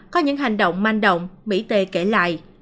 có những hành động manh động mỹ t kể lại